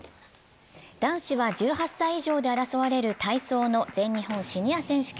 男子は１８歳以上で争われる体操の全日本シニア選手権。